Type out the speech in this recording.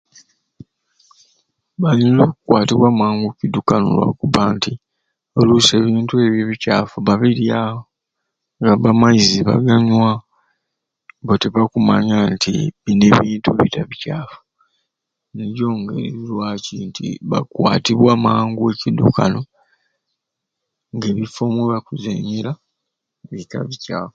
Banguwa okukwatibwa amangu ekidukano lwekubba ebintu ebyo ebicaafu babirya, n'amaizi baganywa bbo tibakunanya nti bini ebintu bucaafu nijo ngeri lwaki nti bakwatibwa mangu ekidukano ng'ebifo mwebakuzeenyera biika bucaafu